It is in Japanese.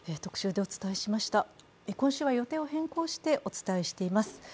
今週は予定を変更してお伝えしています。